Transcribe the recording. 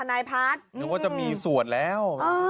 นึกว่าจะมีส่วนแล้ว